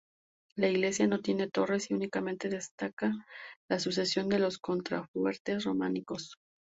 La iglesia no tiene torres y únicamente destaca la sucesión de los contrafuertes románicos.